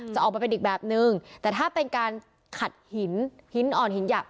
จะออกมาเป็นอีกแบบนึงแต่ถ้าเป็นการขัดหินหินอ่อนหินหยักษ